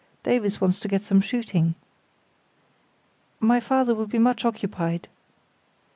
Davies wants to get some shooting. "My father will be much occupied."